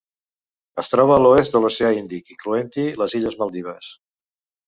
Es troba a l'oest de l'Oceà Índic, incloent-hi les illes Maldives.